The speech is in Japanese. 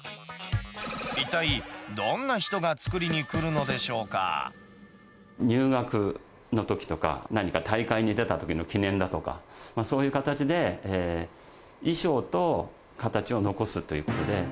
一体、どんな人が作りに来るので入学のときとか、何か大会に出たときの記念だとか、そういう形で、衣装と形を残すということで。